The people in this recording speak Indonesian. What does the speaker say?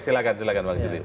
silahkan silahkan bang juli